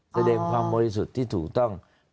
แสดงความบริสุทธิ์ที่ถูกต้อง